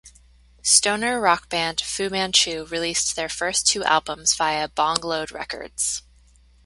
Stoner rock band Fu Manchu released their first two albums via Bong Load Records.